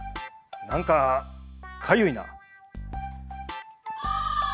何かかゆいな」。